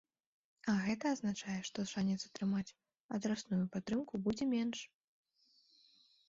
А гэта азначае, што шанец атрымаць адрасную падтрымку будзе менш.